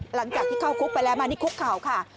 หลังจากที่เข้าคุกไปแล้วมานี่คุกเข่าค่ะ